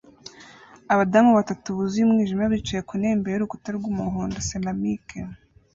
Abadamu batatu buzuye umwijima bicaye ku ntebe imbere y'urukuta rw'umuhondo ceramic